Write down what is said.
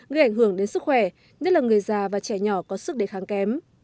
gây ảnh hưởng đến sức khỏe nhất là người già và trẻ nhỏ có sức đề kháng kém